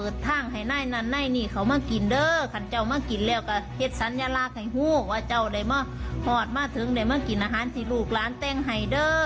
ได้มาหอดมาถึงได้มากินอาหารที่หลูกล้านเต้งไฮเดอร์